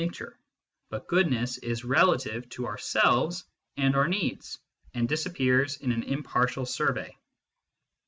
I. MYSTICISM AND LOGIC 27 ness is relative to ourselves and our needs, and disappears in an impartial survey.